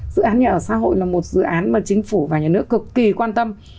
dự án nhà ở xã hội là một dự án mà chính phủ và nhà nước cực kỳ quan tâm